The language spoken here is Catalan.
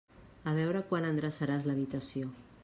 A veure quan endreçaràs l'habitació.